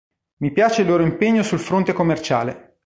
Mi piace il loro impegno sul fronte commerciale".